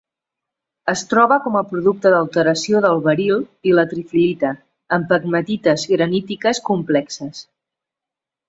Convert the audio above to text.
Es troba com a producte d'alteració del beril i la trifilita, en pegmatites granítiques complexes.